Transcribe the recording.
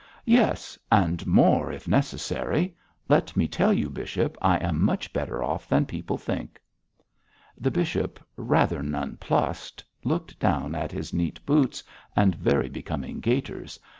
'Yes! and more if necessary. Let me tell you, bishop, I am much better off than people think.' The bishop, rather nonplussed, looked down at his neat boots and very becoming gaiters.